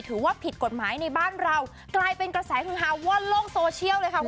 ถือว่าผิดกฎหมายในบ้านเรากลายเป็นกระแสคือฮาว่อนโลกโซเชียลเลยค่ะคุณ